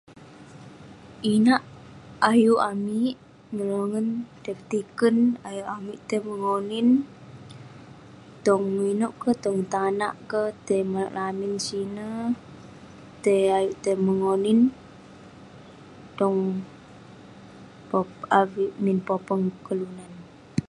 Inak ayuk amik nyelongen tai petiken, ayuk amik mengonin tong inouk kek, tong tanak kek. Tai manouk lamin sineh, tai- ayuk tai mengonin tong- min popeng kelunan.